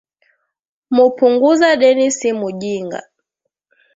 Mupunguza deni simujinga